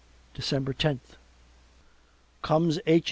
December tenth Comes H.